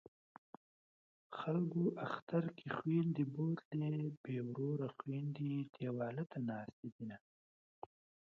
خلکو اختر کې خویندې بوتلې بې وروره خویندې دېواله ته ناستې دینه